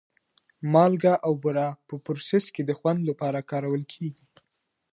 مالګه او بوره په پروسس کې د خوند لپاره کارول کېږي.